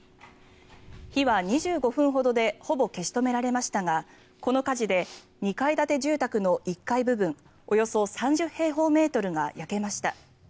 火は２５分ほどでほぼ消し止められましたがこの火事で２階建て住宅の１階部分およそ３０平方メートルが焼けました。